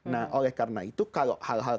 nah oleh karena itu kalau hal hal